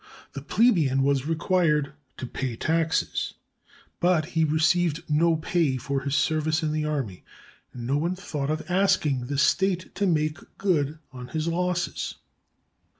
The plebeian was re quired to pay taxes, but he received no pay for his serv ice in the army, and no one thought of asking the state to make good his losses.